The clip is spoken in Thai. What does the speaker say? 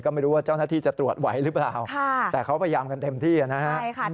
ก็ไม่รู้ว่าเจ้าหน้าที่จะตรวจไหวหรือเปล่าแต่เขาพยายามกันเต็มที่นะฮะ